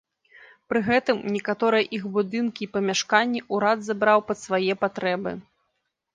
Пры гэтым, некаторыя іх будынкі і памяшканні ўрад забраў пад свае патрэбы.